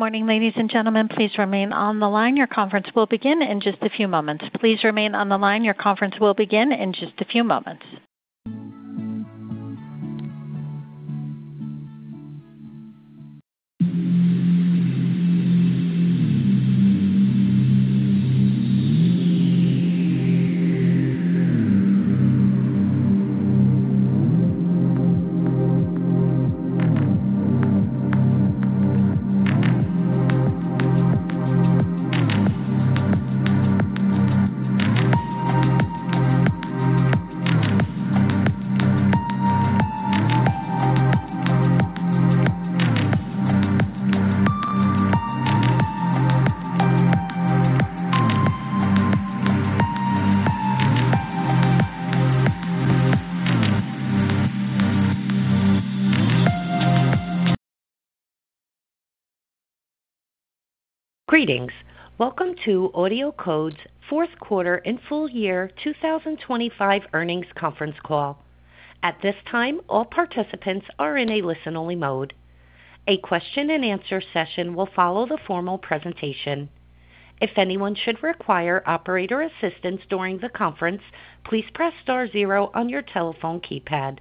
Good morning, ladies and gentlemen. Please remain on the line. Your conference will begin in just a few moments. Please remain on the line. Your conference will begin in just a few moments. Greetings. Welcome to AudioCodes' Fourth Quarter and Full Year 2025 Earnings Conference Call. At this time, all participants are in a listen-only mode. A question and answer session will follow the formal presentation. If anyone should require operator assistance during the conference, please press star zero on your telephone keypad.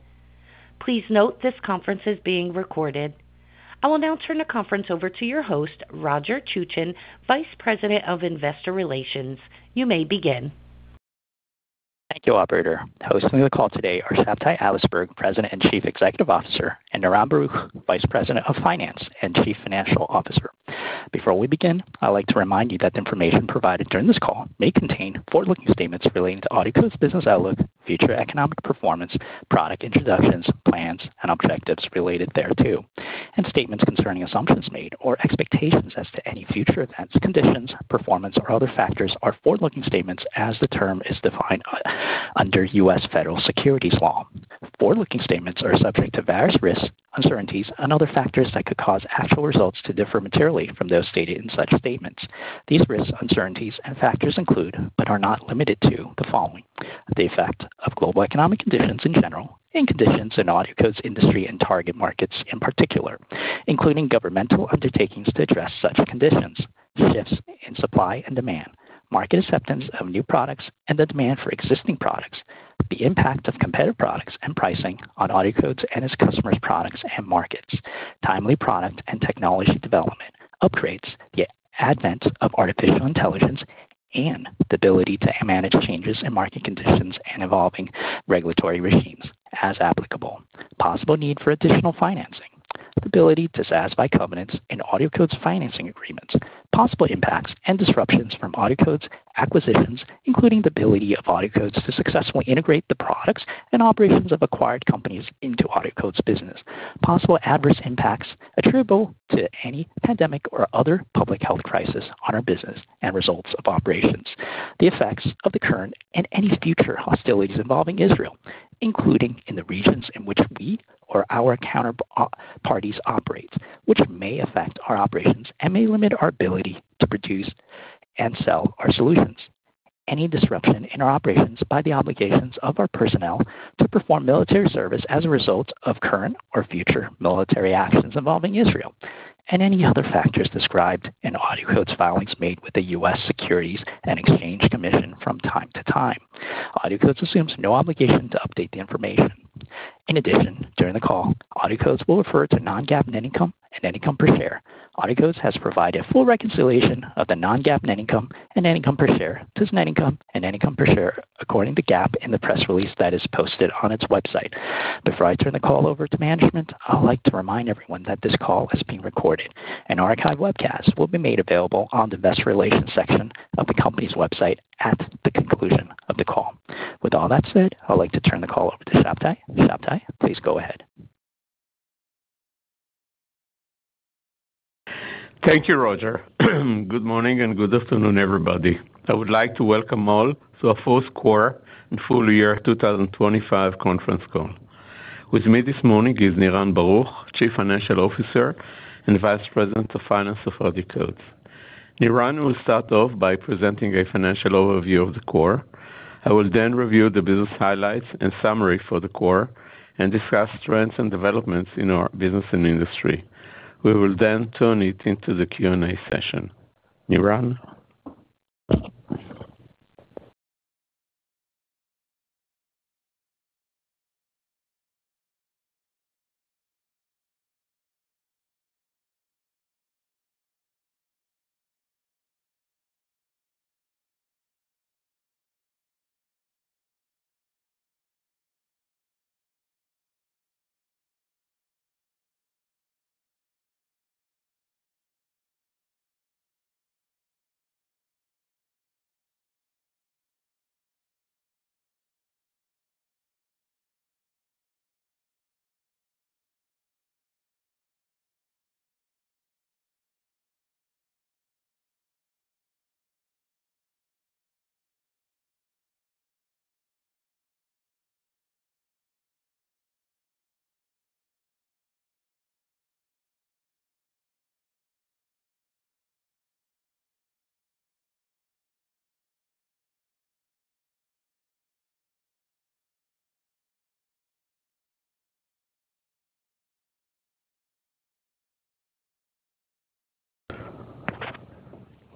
Please note this conference is being recorded. I will now turn the conference over to your host, Roger Chuchen, Vice President of Investor Relations. You may begin. Thank you, operator. Hosting the call today are Shabtai Adlersberg, President and Chief Executive Officer, and Niran Baruch, Vice President of Finance and Chief Financial Officer. Before we begin, I'd like to remind you that the information provided during this call may contain forward-looking statements relating to AudioCodes' business outlook, future economic performance, product introductions, plans, and objectives related thereto, and statements concerning assumptions made or expectations as to any future events, conditions, performance, or other factors are forward-looking statements as the term is defined under U.S. federal securities law. Forward-looking statements are subject to various risks, uncertainties, and other factors that could cause actual results to differ materially from those stated in such statements. These risks, uncertainties, and factors include, but are not limited to, the following: the effect of global economic conditions in general and conditions in AudioCodes' industry and target markets in particular, including governmental undertakings to address such conditions, shifts in supply and demand, market acceptance of new products, and the demand for existing products, the impact of competitive products and pricing on AudioCodes and its customers' products and markets, timely product and technology development, upgrades, the advent of artificial intelligence, and the ability to manage changes in market conditions and evolving regulatory regimes as applicable. Possible need for additional financing, the ability to satisfy covenants in AudioCodes' financing agreements, possible impacts and disruptions from AudioCodes acquisitions, including the ability of AudioCodes to successfully integrate the products and operations of acquired companies into AudioCodes' business. Possible adverse impacts attributable to any pandemic or other public health crisis on our business and results of operations. The effects of the current and any future hostilities involving Israel, including in the regions in which we or our counterparties operate, which may affect our operations and may limit our ability to produce and sell our solutions. Any disruption in our operations by the obligations of our personnel to perform military service as a result of current or future military actions involving Israel, and any other factors described in AudioCodes' filings made with the U.S. Securities and Exchange Commission from time to time. AudioCodes assumes no obligation to update the information. In addition, during the call, AudioCodes will refer to non-GAAP net income and net income per share. AudioCodes has provided a full reconciliation of the non-GAAP net income and net income per share to net income and net income per share according to GAAP in the press release that is posted on its website. Before I turn the call over to management, I'd like to remind everyone that this call is being recorded. An archive webcast will be made available on the investor relations section of the company's website at the conclusion of the call. With all that said, I'd like to turn the call over to Shabtai. Shabtai, please go ahead. Thank you, Roger. Good morning, and good afternoon, everybody. I would like to welcome all to our fourth quarter and full year 2025 conference call. With me this morning is Niran Baruch, Chief Financial Officer and Vice President of Finance of AudioCodes. Niran will start off by presenting a financial overview of the quarter. I will then review the business highlights and summary for the quarter and discuss trends and developments in our business and industry. We will then turn it into the Q&A session. Niran?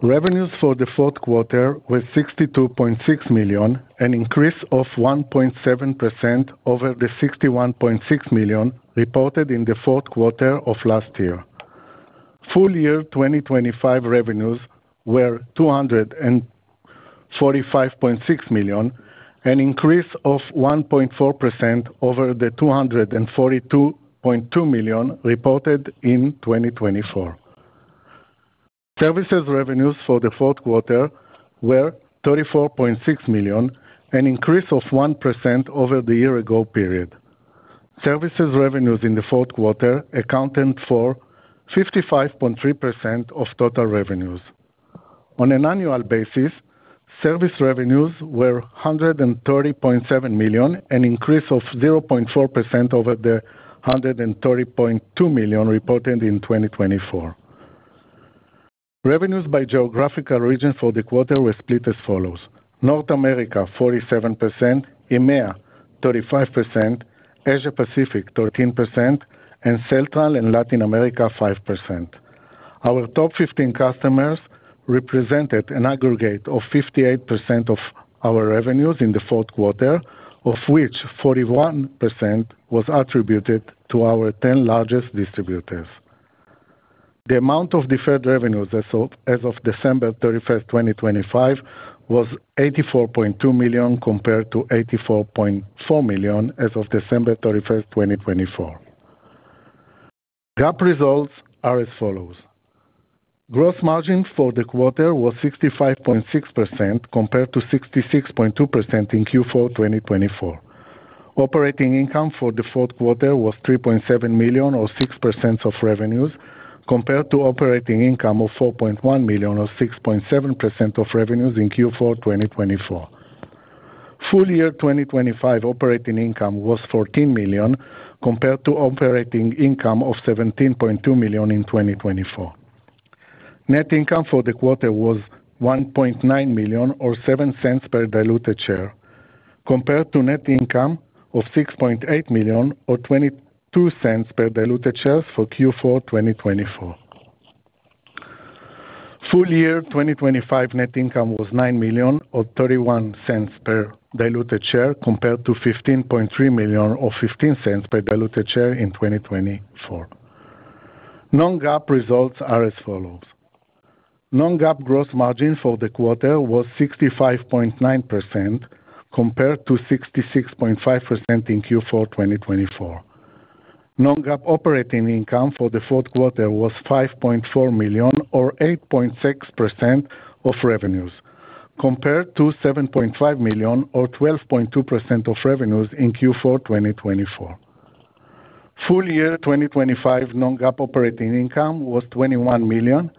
Revenues for the fourth quarter were $62.6 million, an increase of 1.7% over the $61.6 million reported in the fourth quarter of last year. Full year 2025 revenues were $245.6 million, an increase of 1.4% over the $242.2 million reported in 2024. Services revenues for the fourth quarter were $34.6 million, an increase of 1% over the year ago period. Services revenues in the fourth quarter accounted for 55.3% of total revenues. On an annual basis, service revenues were $130.7 million, an increase of 0.4% over the $130.2 million reported in 2024. Revenues by geographical region for the quarter were split as follows: North America, 47%; EMEA, 35%; Asia Pacific, 13%; and Central and Latin America, 5%. Our top 15 customers represented an aggregate of 58% of our revenues in the fourth quarter, of which 41% was attributed to our 10 largest distributors. The amount of deferred revenues as of December 31, 2025, was $84.2 million, compared to $84.4 million as of December 31, 2024. GAAP results are as follows: Gross margin for the quarter was 65.6%, compared to 66.2% in Q4 2024. Operating income for the fourth quarter was $3.7 million, or 6% of revenues, compared to operating income of $4.1 million, or 6.7% of revenues in Q4 2024. Full year 2025 operating income was $14 million, compared to operating income of $17.2 million in 2024. Net income for the quarter was $1.9 million, or $0.07 per diluted share, compared to net income of $6.8 million or $0.22 per diluted share for Q4 2024. Full year 2025 net income was $9 million, or $0.31 per diluted share, compared to $15.3 million or $0.15 per diluted share in 2024. Non-GAAP results are as follows: Non-GAAP gross margin for the quarter was 65.9%, compared to 66.5% in Q4 2024. Non-GAAP operating income for the fourth quarter was $5.4 million, or 8.6% of revenues, compared to $7.5 million or 12.2% of revenues in Q4 2024. Full year 2025 non-GAAP operating income was $21 million,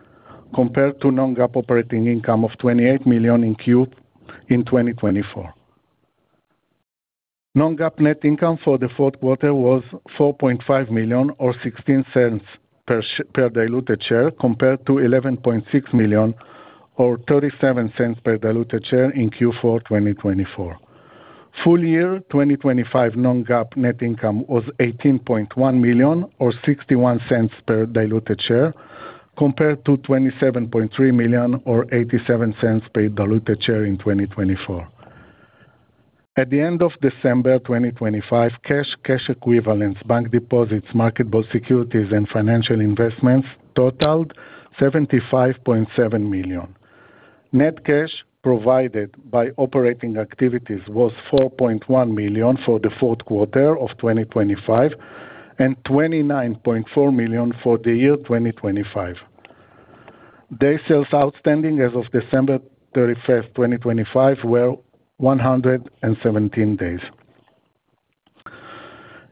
compared to non-GAAP operating income of $28 million in 2024. Non-GAAP net income for the fourth quarter was $4.5 million, or $0.16 per diluted share, compared to $11.6 million or $0.37 per diluted share in Q4 2024. Full year 2025 non-GAAP net income was $18.1 million, or $0.61 per diluted share, compared to $27.3 million or $0.87 per diluted share in 2024. At the end of December 2025, cash, cash equivalents, bank deposits, marketable securities, and financial investments totaled $75.7 million. Net cash provided by operating activities was $4.1 million for the fourth quarter of 2025, and $29.4 million for the year 2025. Days sales outstanding as of December 31, 2025, were 117 days.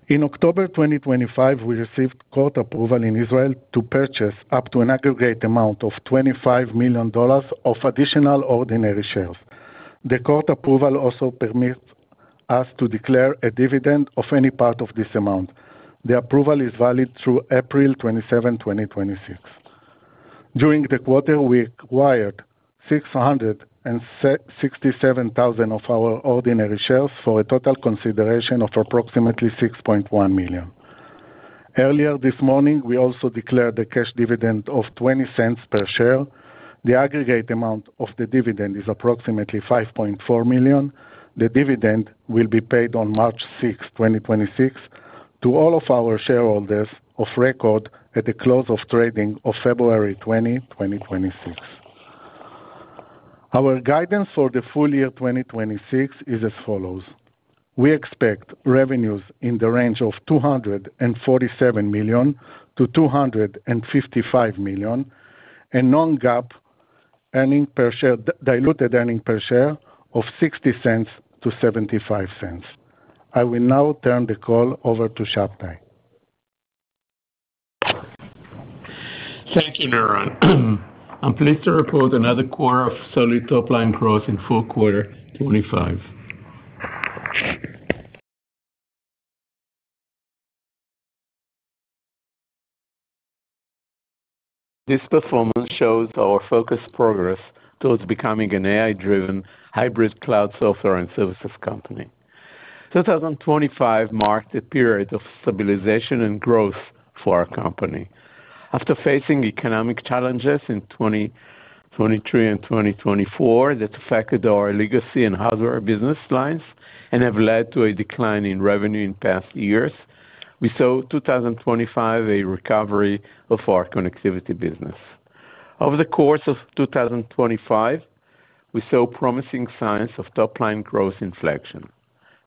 In October 2025, we received court approval in Israel to purchase up to an aggregate amount of $25 million of additional ordinary shares. The court approval also permits us to declare a dividend of any part of this amount. The approval is valid through April 27, 2026. During the quarter, we acquired 667,000 of our ordinary shares for a total consideration of approximately $6.1 million. Earlier this morning, we also declared a cash dividend of $0.20 per share. The aggregate amount of the dividend is approximately $5.4 million. The dividend will be paid on March 6, 2026, to all of our shareholders of record at the close of trading of February 20, 2026. Our guidance for the full year 2026 is as follows: We expect revenues in the range of $247 million-$255 million, and non-GAAP diluted earnings per share of $0.60-$0.75. I will now turn the call over to Shabtai. Thank you, Niran. I'm pleased to report another quarter of solid top-line growth in fourth quarter 2025. This performance shows our focused progress towards becoming an AI-driven hybrid cloud software and services company. 2025 marked a period of stabilization and growth for our company. After facing economic challenges in 2023 and 2024 that affected our legacy and hardware business lines and have led to a decline in revenue in past years, we saw 2025 a recovery of our connectivity business. Over the course of 2025, we saw promising signs of top-line growth inflection.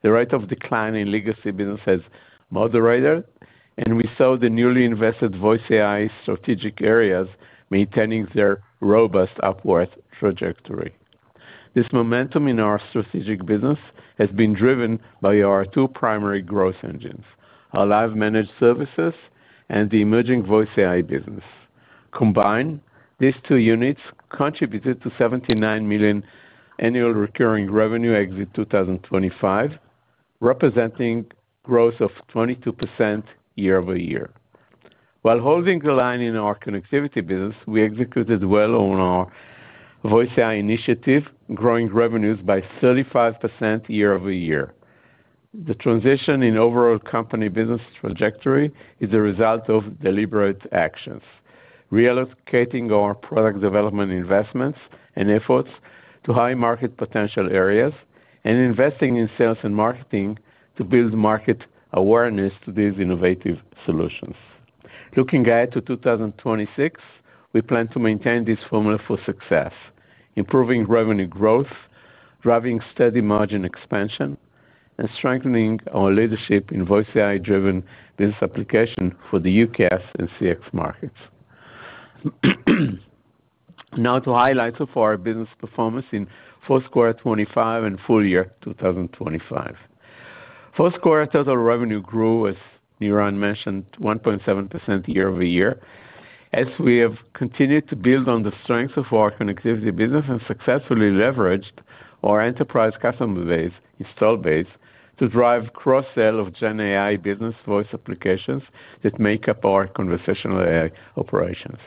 The rate of decline in legacy business has moderated, and we saw the newly invested VoiceAI strategic areas maintaining their robust upward trajectory. This momentum in our strategic business has been driven by our two primary growth engines, our Live managed services and the emerging VoiceAI business. Combined, these two units contributed to $79 million annual recurring revenue exit 2025, representing growth of 22% year-over-year. While holding the line in our connectivity business, we executed well on our VoiceAI initiative, growing revenues by 35% year-over-year. The transition in overall company business trajectory is a result of deliberate actions, reallocating our product development investments and efforts to high market potential areas, and investing in sales and marketing to build market awareness to these innovative solutions. Looking ahead to 2026, we plan to maintain this formula for success, improving revenue growth, driving steady margin expansion, and strengthening our leadership in VoiceAI-driven business application for the UCaaS and CX markets. Now, to highlight so far our business performance in fourth quarter 2025 and full year 2025. Fourth quarter total revenue grew, as Niran mentioned, 1.7% year-over-year, as we have continued to build on the strength of our connectivity business and successfully leveraged our enterprise customer base, install base, to drive cross-sell of GenAI business voice applications that make up our conversational AI operations.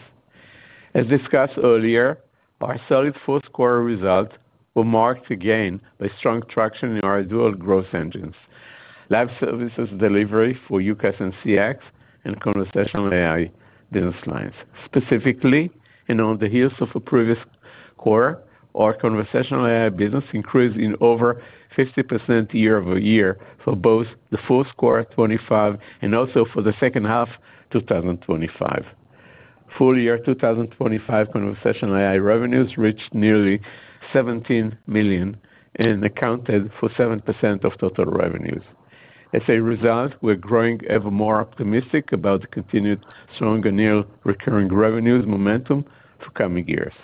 As discussed earlier, our solid fourth quarter results were marked again by strong traction in our dual growth engines, Live services delivery for UCaaS and CX, and conversational AI business lines. Specifically, and on the heels of a previous quarter, our conversational AI business increased in over 50% year-over-year for both the fourth quarter 2025 and also for the second half, 2025. Full year 2025 conversational AI revenues reached nearly $17 million and accounted for 7% of total revenues. As a result, we're growing ever more optimistic about the continued strong annual recurring revenues momentum for coming years.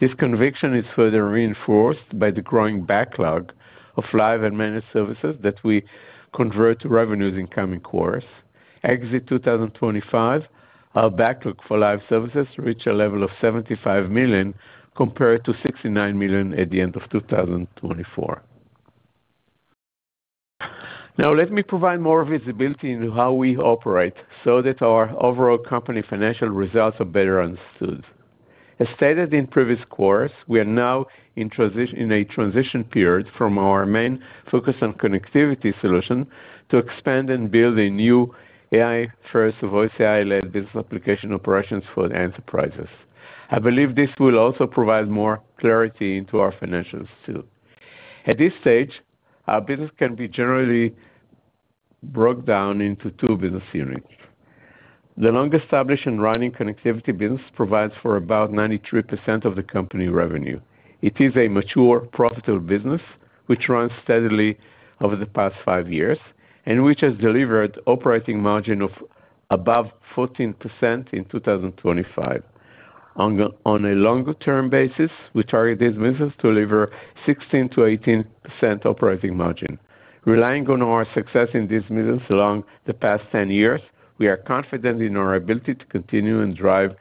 This conviction is further reinforced by the growing backlog of live and managed services that we convert to revenues in coming quarters. Exiting 2025, our backlog for live services reached a level of $75 million, compared to $69 million at the end of 2024. Now, let me provide more visibility into how we operate so that our overall company financial results are better understood. As stated in previous quarters, we are now in a transition period from our main focus on connectivity solution to expand and build a new AI-first, VoiceAI-led business application operations for the enterprises. I believe this will also provide more clarity into our financials, too. At this stage, our business can be generally broke down into two business units. The long-established and running connectivity business provides for about 93% of the company revenue. It is a mature, profitable business, which runs steadily over the past five years and which has delivered operating margin of above 14% in 2025. On a longer-term basis, we target this business to deliver 16%-18% operating margin. Relying on our success in this business along the past 10 years, we are confident in our ability to continue and drive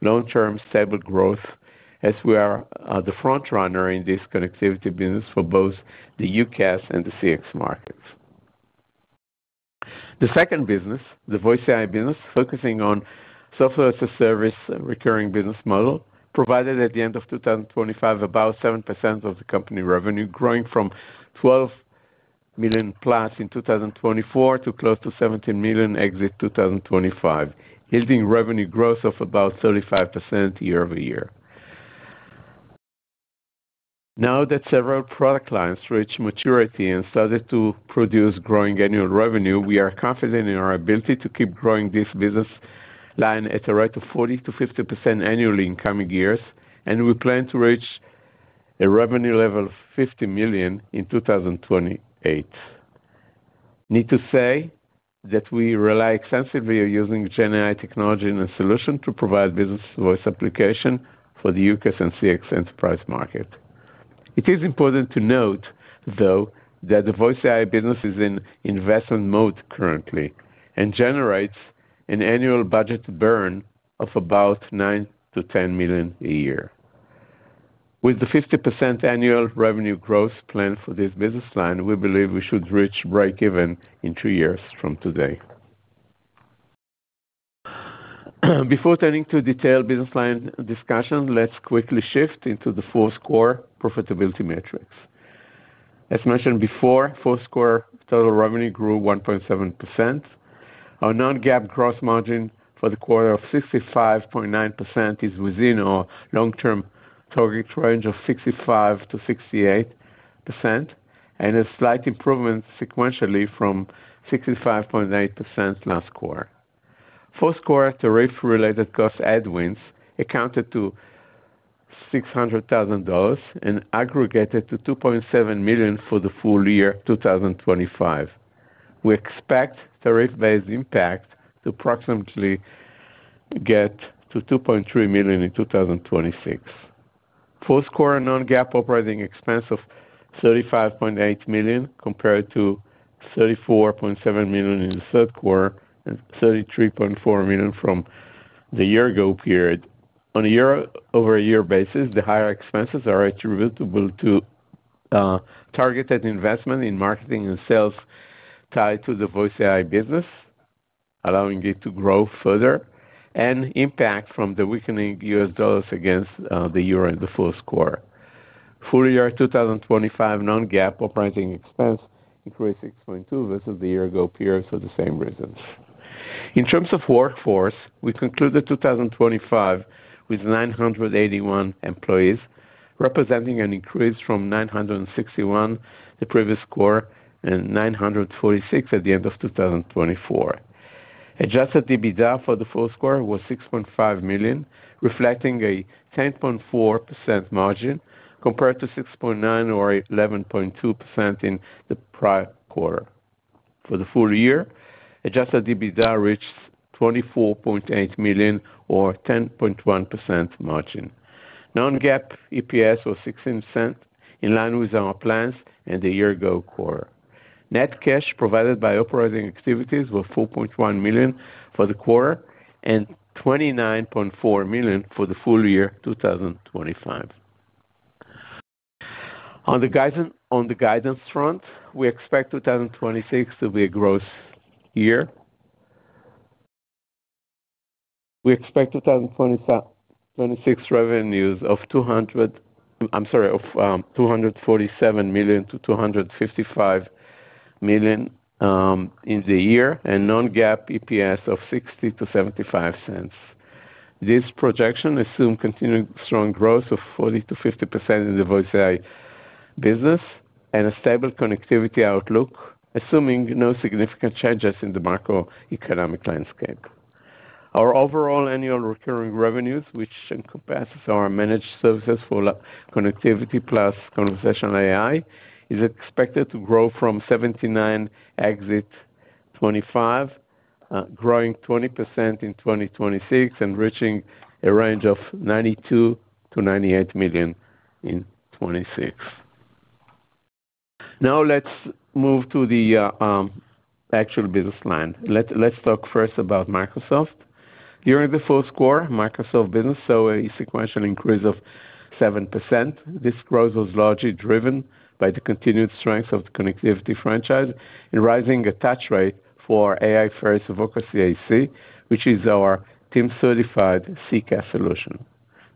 long-term stable growth as we are the front runner in this connectivity business for both the UCaaS and the CX markets. The second business, the VoiceAI business, focusing on software as a service recurring business model, provided at the end of 2025, about 7% of the company revenue, growing from $12 million+ in 2024 to close to $17 million in 2025, yielding revenue growth of about 35% year-over-year. Now that several product lines reach maturity and started to produce growing annual revenue, we are confident in our ability to keep growing this business line at a rate of 40%-50% annually in coming years, and we plan to reach a revenue level of $50 million in 2028. Need to say that we rely extensively on using GenAI technology and a solution to provide business voice application for the UCaaS and CX enterprise market. It is important to note, though, that the VoiceAI business is in investment mode currently and generates an annual budget burn of about $9-$10 million a year. With the 50% annual revenue growth plan for this business line, we believe we should reach breakeven in 2 years from today. Before turning to detailed business line discussion, let's quickly shift into the fourth quarter profitability metrics. As mentioned before, fourth quarter total revenue grew 1.7%. Our non-GAAP gross margin for the quarter of 65.9% is within our long-term target range of 65%-68%, and a slight improvement sequentially from 65.8% last quarter. Fourth quarter tariff-related cost headwinds accounted to $600,000 and aggregated to $2.7 million for the full year, 2025. We expect tariff-based impact to approximately get to $2.3 million in 2026. Fourth quarter non-GAAP operating expense of $35.8 million, compared to $34.7 million in the third quarter, and $33.4 million from the year-ago period. On a year-over-year basis, the higher expenses are attributable to targeted investment in marketing and sales tied to the VoiceAI business, allowing it to grow further, and impact from the weakening U.S. dollars against the euro in the fourth quarter. Full-year 2025 non-GAAP operating expense increased 6.2% versus the year-ago period for the same reasons. In terms of workforce, we concluded 2025 with 981 employees, representing an increase from 961, the previous quarter, and 946 at the end of 2024. Adjusted EBITDA for the fourth quarter was $6.5 million, reflecting a 10.4% margin, compared to $6.9 or 11.2% in the prior quarter. For the full year, adjusted EBITDA reached $24.8 million or 10.1% margin. Non-GAAP EPS was $0.16, in line with our plans and the year ago quarter. Net cash provided by operating activities were $4.1 million for the quarter and $29.4 million for the full year, 2025. On the guidance, on the guidance front, we expect 2026 to be a growth year. We expect 2025, 2026 revenues of $247 million-$255 million. I'm sorry, of, in the year, and Non-GAAP EPS of $0.60-$0.75. This projection assumes continued strong growth of 40%-50% in the VoiceAI business and a stable connectivity outlook, assuming no significant changes in the macroeconomic landscape. Our overall annual recurring revenues, which encompasses our managed services for Connectivity plus Conversational AI, is expected to grow from 79 exit 2025, growing 20% in 2026 and reaching a range of $92 million-$98 million in 2026. Now, let's move to the actual business line. Let's talk first about Microsoft. During the fourth quarter, Microsoft business saw a sequential increase of 7%. This growth was largely driven by the continued strength of the connectivity franchise and rising attach rate for AI-first Voca CIC, which is our Teams-certified CCaaS solution.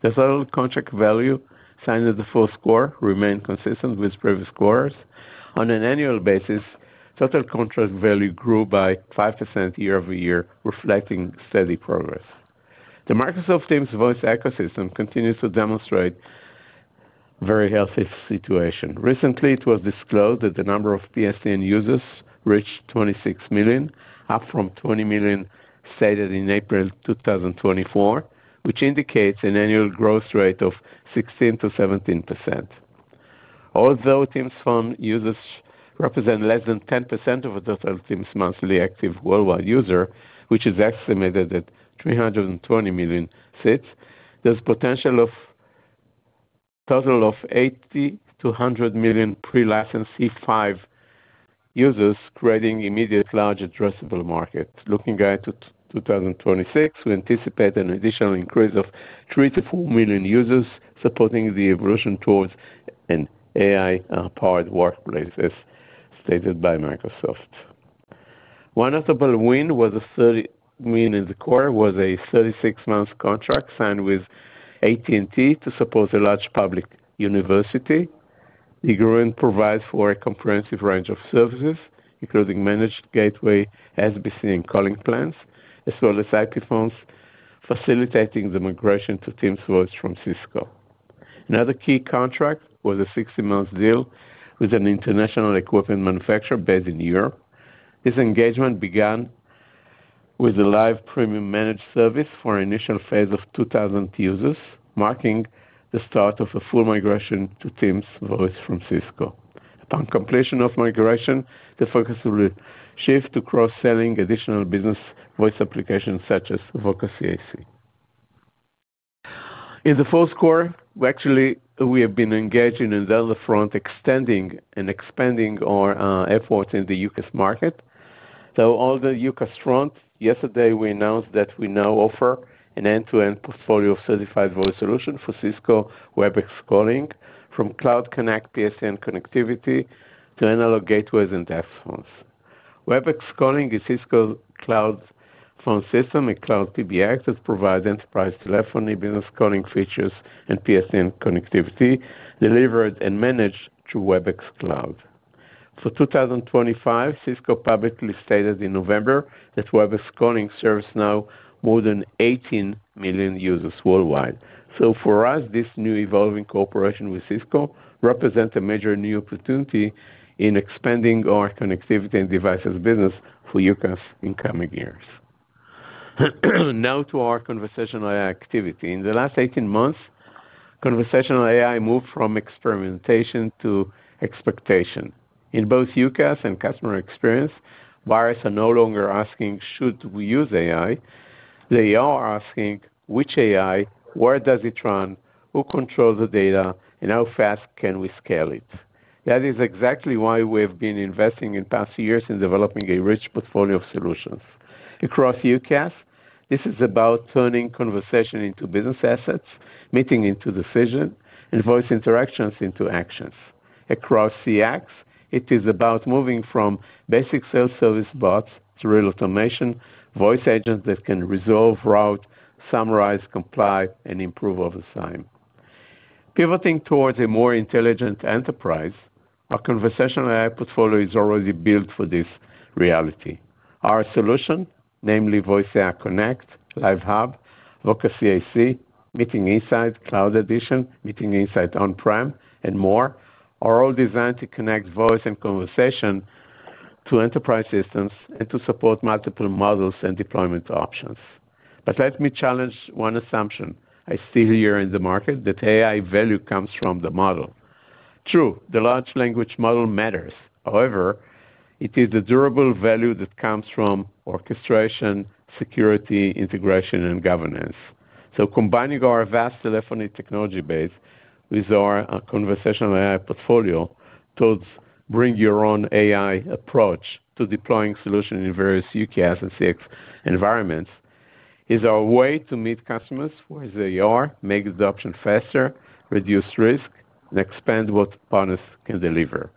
The total contract value signed at the fourth quarter remained consistent with previous quarters. On an annual basis, total contract value grew by 5% year-over-year, reflecting steady progress. The Microsoft Teams voice ecosystem continues to demonstrate very healthy situation. Recently, it was disclosed that the number of PSTN users reached 26 million, up from 20 million stated in April 2024, which indicates an annual growth rate of 16%-17%. Although Teams Phone users represent less than 10% of the total Teams monthly active worldwide user, which is estimated at 320 million seats, there's potential of total of 80-100 million pre-license E5 users, creating immediate large addressable market. Looking ahead to 2026, we anticipate an additional increase of 3-4 million users, supporting the evolution towards an AI-powered workplace, as stated by Microsoft. One notable win in the quarter was a 36-month contract signed with AT&T to support a large public university. The agreement provides for a comprehensive range of services, including managed gateway, SBC, and calling plans, as well as IP phones, facilitating the migration to Teams Voice from Cisco. Another key contract was a 60-month deal with an international equipment manufacturer based in Europe. This engagement began with a Live Premium managed service for an initial phase of 2,000 users, marking the start of a full migration to Teams Voice from Cisco. Upon completion of migration, the focus will shift to cross-selling additional business voice applications such as Voca CIC. In the fourth quarter, we actually, we have been engaged in another front, extending and expanding our, efforts in the UK market. So on the UCaaS front, yesterday, we announced that we now offer an end-to-end portfolio of certified voice solutions for Cisco Webex Calling from Cloud Connect PSTN connectivity to analog gateways and desk phones. Webex Calling is Cisco's cloud phone system, a cloud PBX that provides enterprise telephony, business calling features, and PSTN connectivity delivered and managed through Webex Cloud. For 2025, Cisco publicly stated in November that Webex Calling serves now more than 18 million users worldwide. So for us, this new evolving cooperation with Cisco represents a major new opportunity in expanding our connectivity and devices business for UCaaS in coming years. Now to our conversational AI activity. In the last 18 months, conversational AI moved from experimentation to expectation. In both UCaaS and customer experience, buyers are no longer asking, "Should we use AI?" They are asking: Which AI? Where does it run? Who controls the data? And how fast can we scale it? That is exactly why we have been investing in past years in developing a rich portfolio of solutions. Across UCaaS, this is about turning conversation into business assets, meeting into decision, and voice interactions into actions. Across CX, it is about moving from basic self-service bots to real automation, voice agents that can resolve, route, summarize, comply, and improve over time. Pivoting towards a more intelligent enterprise, our conversational AI portfolio is already built for this reality. Our solution, namely, VoiceAI Connect, Live Hub, Voca CIC, Meeting Insights Cloud Edition, Meeting Insights On-Prem, and more, are all designed to connect voice and conversation to enterprise systems and to support multiple models and deployment options. But let me challenge one assumption I see here in the market, that AI value comes from the model. True, the large language model matters. However, it is the durable value that comes from orchestration, security, integration, and governance. So combining our vast telephony technology base with our conversational AI portfolio towards bring-your-own-AI approach to deploying solutions in various UCaaS and CX environments is our way to meet customers where they are, make the adoption faster, reduce risk, and expand what partners can deliver.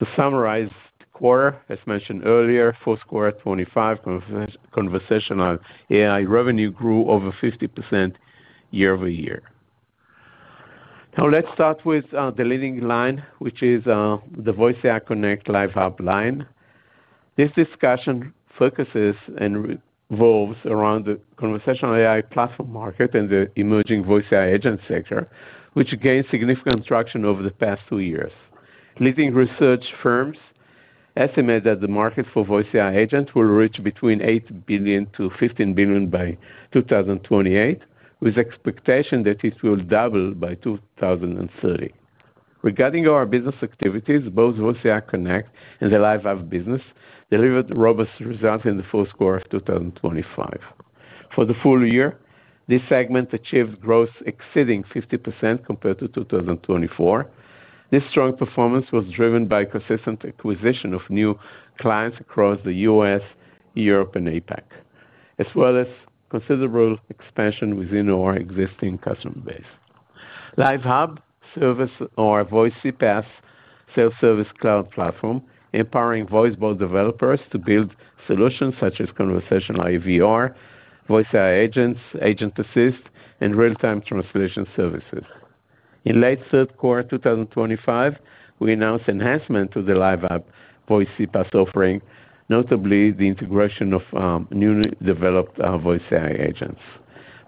To summarize the quarter, as mentioned earlier, fourth quarter 2025 conversational AI revenue grew over 50% year-over-year. Now, let's start with the leading line, which is the VoiceAI Connect Live Hub line. This discussion focuses and revolves around the conversational AI platform market and the emerging voice AI agent sector, which gained significant traction over the past two years. Leading research firms estimate that the market for voice AI agent will reach between $8 billion-$15 billion by 2028, with expectation that it will double by 2030. Regarding our business activities, both VoiceAI Connect and the Live Hub business delivered robust results in the fiscal year of 2025. For the full year, this segment achieved growth exceeding 50% compared to 2024. This strong performance was driven by consistent acquisition of new clients across the U.S., Europe, and APAC, as well as considerable expansion within our existing customer base. Live Hub service, our Voice CPaaS self-service cloud platform, empowering voice bot developers to build solutions such as conversational IVR, voice AI agents, agent assist, and real-time translation services. In late third quarter 2025, we announced enhancement to the Live Hub Voice CPaaS offering, notably the integration of newly developed voice AI agents.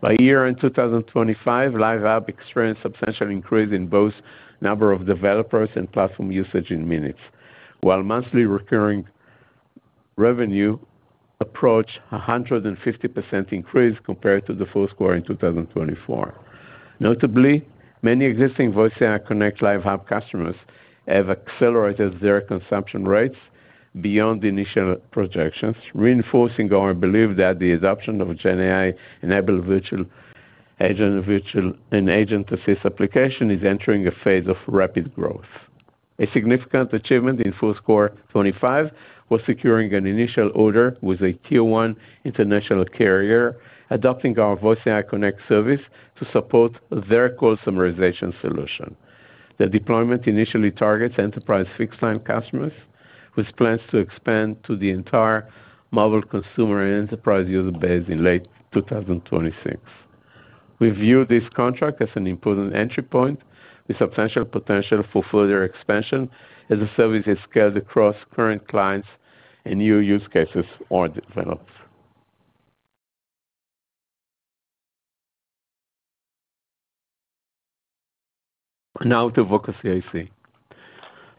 By year-end 2025, Live Hub experienced substantial increase in both number of developers and platform usage in minutes, while monthly recurring revenue approached 150% increase compared to the full year in 2024. Notably, many existing VoiceAI Connect Live Hub customers have accelerated their consumption rates beyond the initial projections, reinforcing our belief that the adoption of GenAI-enabled virtual agent, virtual and agent assist application is entering a phase of rapid growth. A significant achievement in FY 2025 was securing an initial order with a tier-1 international carrier, adopting our VoiceAI Connect service to support their call summarization solution. The deployment initially targets enterprise fixed-line customers, with plans to expand to the entire mobile, consumer, and enterprise user base in late 2026. We view this contract as an important entry point, with substantial potential for further expansion as the service is scaled across current clients and new use cases are developed. Now to Voca CIC.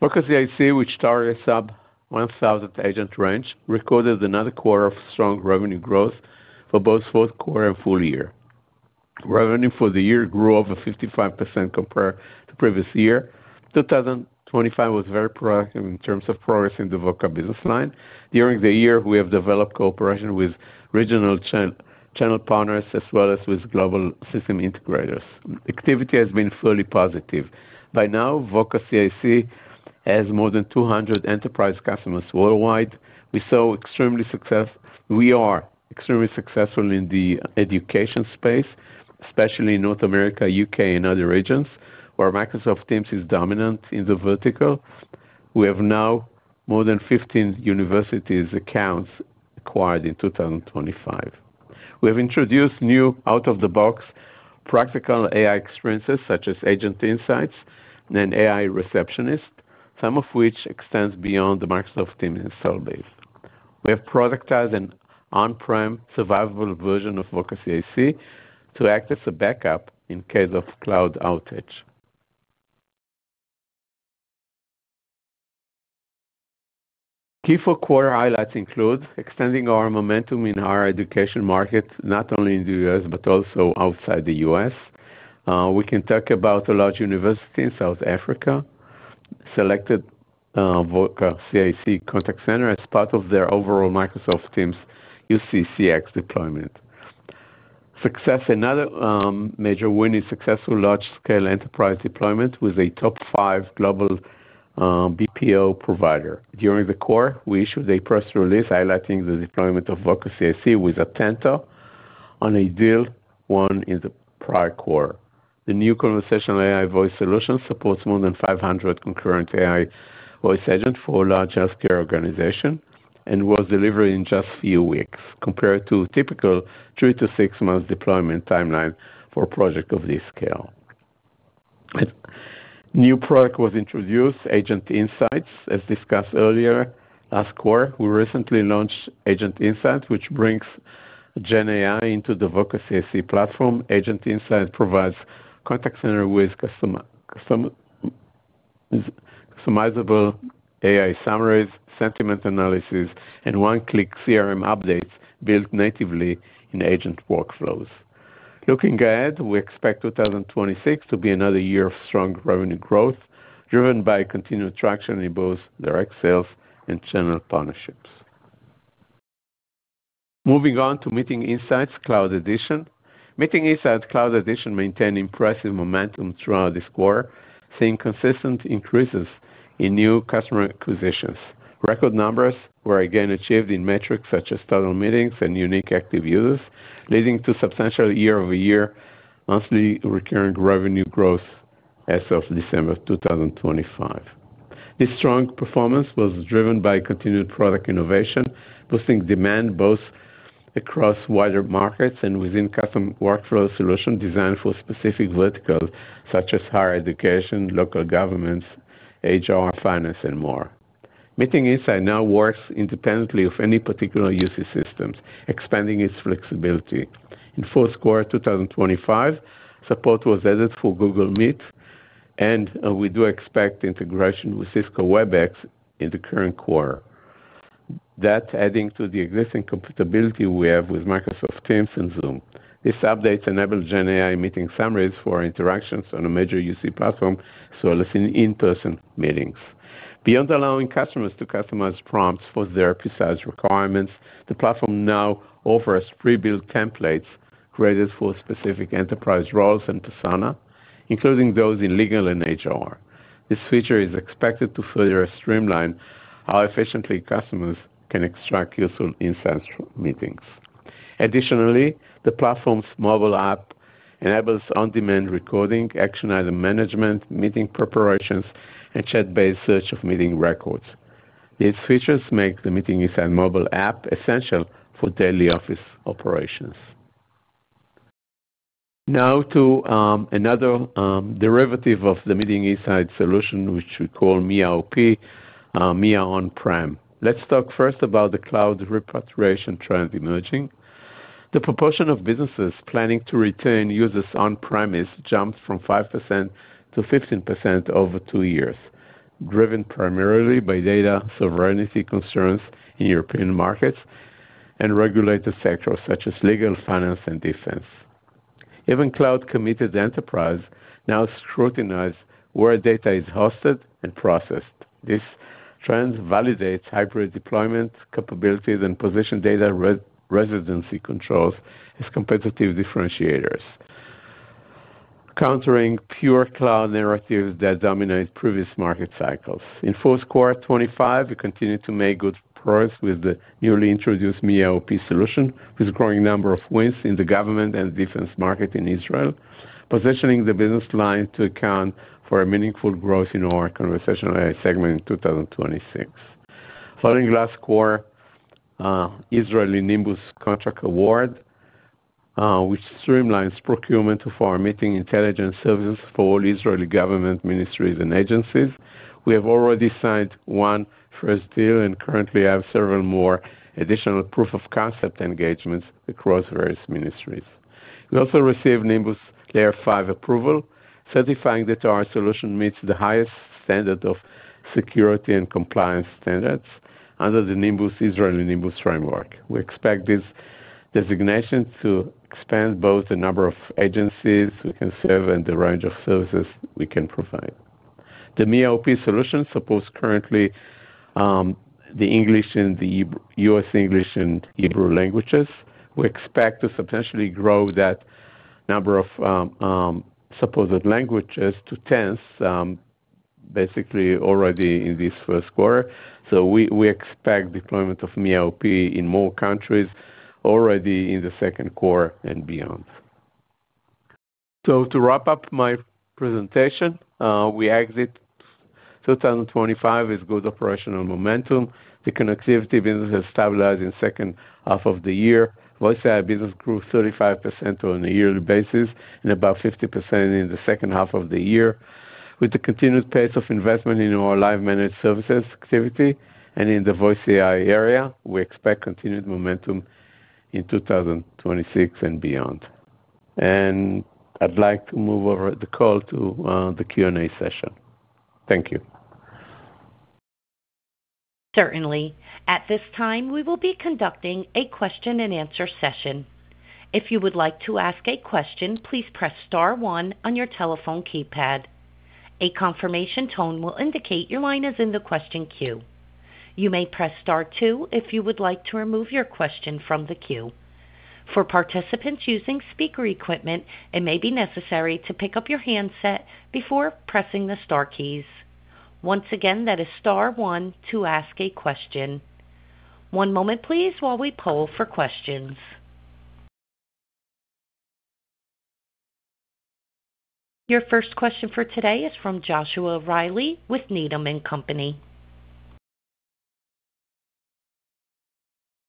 Voca CIC, which targets sub-1,000 agent range, recorded another quarter of strong revenue growth for both fourth quarter and full year. Revenue for the year grew over 55% compared to previous year. 2025 was very proactive in terms of progress in the Voca business line. During the year, we have developed cooperation with regional channel partners as well as with global system integrators. Activity has been fully positive. By now, Voca CIC has more than 200 enterprise customers worldwide. We are extremely successful in the education space, especially in North America, U.K., and other regions, where Microsoft Teams is dominant in the vertical. We have now more than 15 universities accounts acquired in 2025. We have introduced new out-of-the-box practical AI experiences such as Agent Insights and an AI receptionist, some of which extends beyond the Microsoft Teams install base. We have productized an on-prem survivable version of Voca CIC to act as a backup in case of cloud outage. Key fourth quarter highlights include extending our momentum in our education market, not only in the U.S., but also outside the U.S. We can talk about a large university in South Africa selected Voca CIC Contact Center as part of their overall Microsoft Teams UCCX deployment. Success, another major win is successful large-scale enterprise deployment with a top 5 global BPO provider. During the quarter, we issued a press release highlighting the deployment of Voca CIC with Atento on a deal won in the prior quarter. The new conversational AI voice solution supports more than 500 concurrent AI voice agent for a large healthcare organization and was delivered in just a few weeks, compared to typical 3-6 months deployment timeline for a project of this scale. A new product was introduced, Agent Insights. As discussed earlier, last quarter, we recently launched Agent Insights, which brings GenAI into the Voca CIC platform. Agent Insights provides contact center with customizable AI summaries, sentiment analysis, and one-click CRM updates built natively in agent workflows. Looking ahead, we expect 2026 to be another year of strong revenue growth, driven by continued traction in both direct sales and channel partnerships. Moving on to Meeting Insights Cloud Edition. Meeting Insights Cloud Edition maintained impressive momentum throughout this quarter, seeing consistent increases in new customer acquisitions. Record numbers were again achieved in metrics such as total meetings and unique active users, leading to substantial year-over-year monthly recurring revenue growth as of December 2025. This strong performance was driven by continued product innovation, boosting demand both across wider markets and within custom workflow solutions designed for specific verticals, such as higher education, local governments, HR, finance, and more. Meeting Insights now works independently of any particular UC systems, expanding its flexibility. In fourth quarter 2025, support was added for Google Meet, and we do expect integration with Cisco Webex in the current quarter. That adding to the existing compatibility we have with Microsoft Teams and Zoom. This update enables GenAI meeting summaries for interactions on a major UC platform, solutions in-person meetings. Beyond allowing customers to customize prompts for their precise requirements, the platform now offers pre-built templates created for specific enterprise roles and persona, including those in legal and HR. This feature is expected to further streamline how efficiently customers can extract useful insights from meetings. Additionally, the platform's mobile app enables on-demand recording, action item management, meeting preparations, and chat-based search of meeting records. These features make the Meeting Insights mobile app essential for daily office operations. Now to another derivative of the Meeting Insights solution, which we call Mia-OP, Mia On-Prem. Let's talk first about the cloud repatriation trend emerging. The proportion of businesses planning to retain users on-premise jumped from 5% to 15% over two years, driven primarily by data sovereignty concerns in European markets and regulated sectors such as legal, finance, and defense. Even cloud-committed enterprises now scrutinize where data is hosted and processed. This trend validates hybrid deployment capabilities and positions data re-residency controls as competitive differentiators, countering pure cloud narratives that dominated previous market cycles. In fourth quarter 2025, we continued to make good progress with the newly introduced Mia-OP solution, with a growing number of wins in the government and defense market in Israel, positioning the business line to account for meaningful growth in our conversational AI segment in 2026. Following last quarter, Israeli Nimbus contract award, which streamlines procurement for our meeting intelligence services for all Israeli government ministries and agencies. We have already signed our first deal and currently have several more additional proof of concept engagements across various ministries. We also received Nimbus C5 approval, certifying that our solution meets the highest standard of security and compliance standards under the Israeli Nimbus framework. We expect this designation to expand both the number of agencies we can serve and the range of services we can provide. The Mia-OP solution supports currently the English and U.S. English and Hebrew languages. We expect to substantially grow that number of supported languages to 10, so, basically already in this first quarter. So we expect deployment of Mia-OP in more countries already in the second quarter and beyond. So to wrap up my presentation, we exit 2025 with good operational momentum. The connectivity business has stabilized in second half of the year. VoiceAI business grew 35% on a yearly basis and about 50% in the second half of the year. With the continued pace of investment in our Live managed services activity and in the VoiceAI area, we expect continued momentum in 2026 and beyond. And I'd like to move over the call to the Q&A session. Thank you. Certainly. At this time, we will be conducting a question-and-answer session. If you would like to ask a question, please press star one on your telephone keypad. A confirmation tone will indicate your line is in the question queue. You may press star two if you would like to remove your question from the queue. For participants using speaker equipment, it may be necessary to pick up your handset before pressing the star keys. Once again, that is star one to ask a question. One moment please, while we poll for questions. Your first question for today is from Joshua Reilly with Needham & Company.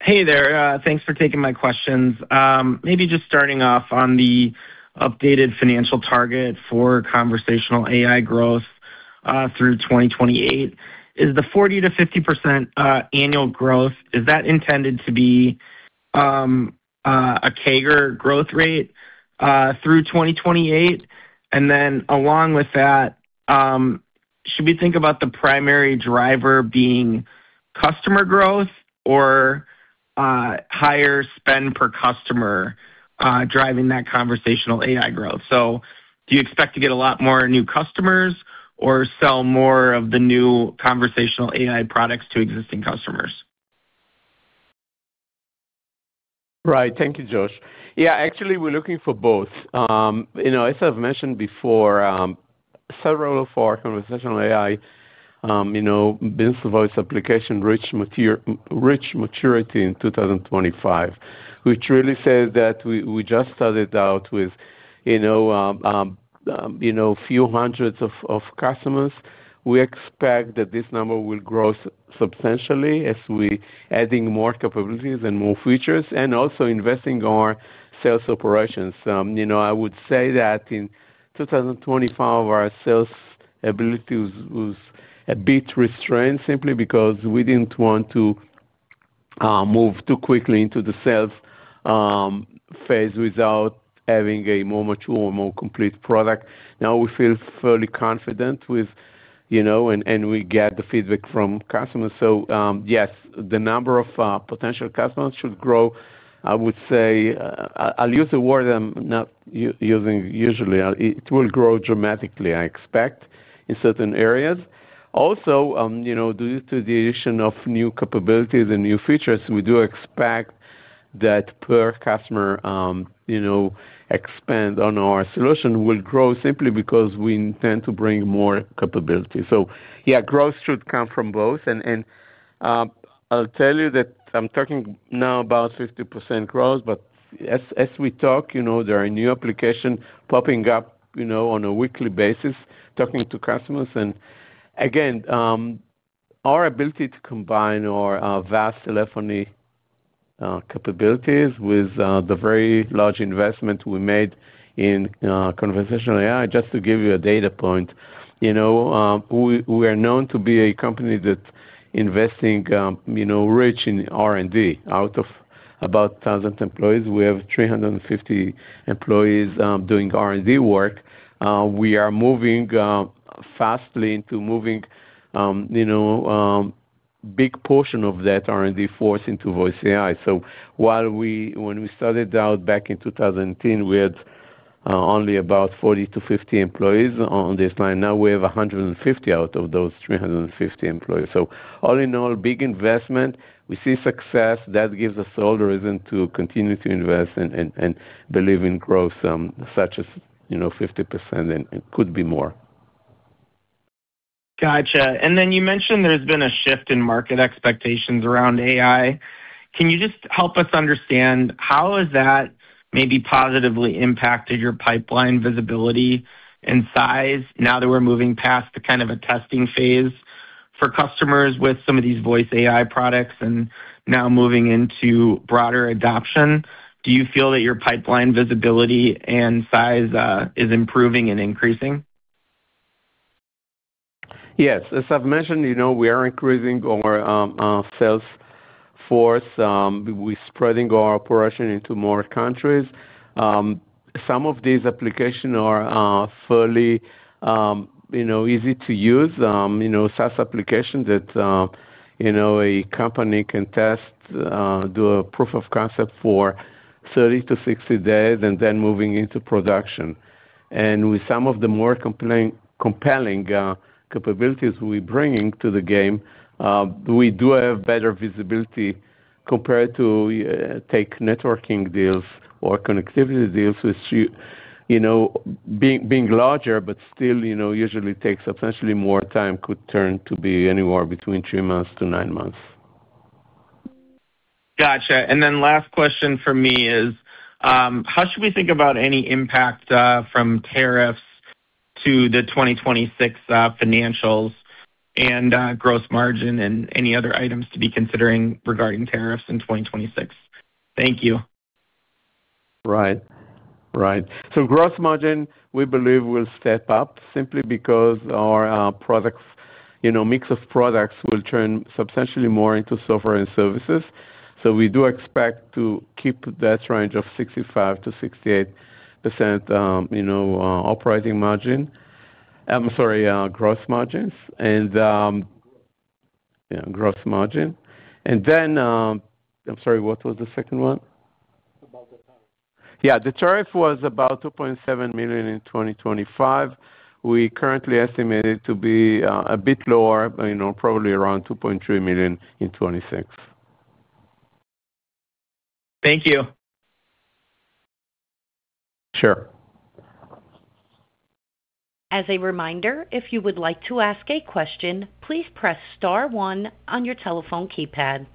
Hey there. Thanks for taking my questions. Maybe just starting off on the updated financial target for conversational AI growth through 2028. Is the 40%-50% annual growth intended to be a CAGR growth rate through 2028? And then along with that, should we think about the primary driver being customer growth or higher spend per customer driving that conversational AI growth? So do you expect to get a lot more new customers or sell more of the new conversational AI products to existing customers? Right. Thank you, Josh. Yeah, actually, we're looking for both. You know, as I've mentioned before, several of our conversational AI, you know, business voice application, reach maturity in 2025, which really says that we just started out with, you know, few hundreds of customers. We expect that this number will grow substantially as we adding more capabilities and more features, and also investing in our sales operations. You know, I would say that in 2025, our sales ability was a bit restrained simply because we didn't want to move too quickly into the sales phase without having a more mature or more complete product. Now, we feel fairly confident with, you know, and we get the feedback from customers. So, yes, the number of potential customers should grow. I would say, I'll use a word I'm not using usually. It will grow dramatically, I expect, in certain areas. Also, you know, due to the addition of new capabilities and new features, we do expect that per customer, you know, expand on our solution will grow simply because we intend to bring more capability. So yeah, growth should come from both. And, I'll tell you that I'm talking now about 50% growth, but as we talk, you know, there are new applications popping up, you know, on a weekly basis, talking to customers. And again, our ability to combine our vast telephony capabilities with the very large investment we made in conversational AI. Just to give you a data point, you know, we are known to be a company that investing, you know, rich in R&D. Out of about 1,000 employees, we have 350 employees doing R&D work. We are moving fast into moving a big portion of that R&D force into VoiceAI. So while when we started out back in 2010, we had only about 40-50 employees on this line. Now we have 150 out of those 350 employees. So all in all, big investment, we see success. That gives us all the reason to continue to invest and believe in growth such as 50%, and it could be more. Gotcha. And then you mentioned there's been a shift in market expectations around AI. Can you just help us understand how has that maybe positively impacted your pipeline visibility and size now that we're moving past the kind of a testing phase for customers with some of these voice AI products and now moving into broader adoption? Do you feel that your pipeline visibility and size is improving and increasing? Yes. As I've mentioned, you know, we are increasing our sales force. We're spreading our operation into more countries. Some of these applications are fairly, you know, easy to use. You know, SaaS applications that, you know, a company can test, do a proof of concept for 30-60 days and then moving into production. And with some of the more compelling capabilities we're bringing to the game, we do have better visibility compared to like networking deals or connectivity deals, which, you know, being larger, but still, you know, usually takes substantially more time, could turn to be anywhere between 3-9 months. Gotcha. And then last question for me is, how should we think about any impact from tariffs to the 2026 financials and gross margin and any other items to be considering regarding tariffs in 2026? Thank you. Right. Right. So gross margin, we believe, will step up simply because our products, you know, mix of products will turn substantially more into software and services. So we do expect to keep that range of 65%-68%, you know, operating margin. I'm sorry, gross margins and, yeah, gross margin. And then, I'm sorry, what was the second one? About the tariff. Yeah, the tariff was about $2.7 million in 2025. We currently estimate it to be a bit lower, you know, probably around $2.3 million in 2026. Thank you. Sure. As a reminder, if you would like to ask a question, please press star one on your telephone keypad.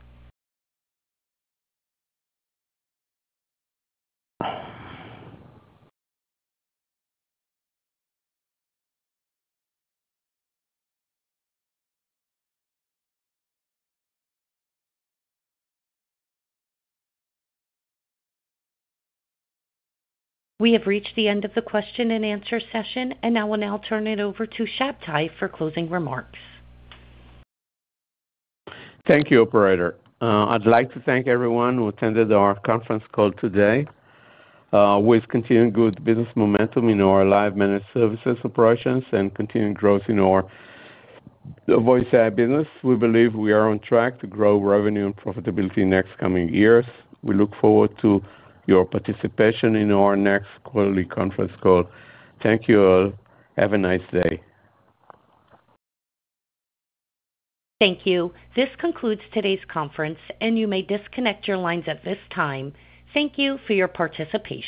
We have reached the end of the question and answer session, and I will now turn it over to Shabtai for closing remarks. Thank you, operator. I'd like to thank everyone who attended our conference call today. With continuing good business momentum in our live managed services operations and continuing growth in our VoiceAI business, we believe we are on track to grow revenue and profitability in next coming years. We look forward to your participation in our next quarterly conference call. Thank you all. Have a nice day. Thank you. This concludes today's conference, and you may disconnect your lines at this time. Thank you for your participation.